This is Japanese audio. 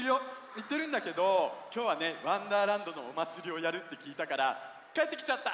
いってるんだけどきょうはね「わんだーらんど」のおまつりをやるってきいたからかえってきちゃった！